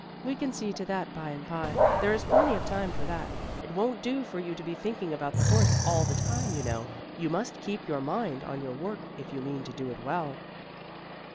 "We can see to that bye and bye, there is plenty of time for that. It won't do for you to be thinking about the horse all the time, you know, you must keep your mind on your work if you mean to do it well."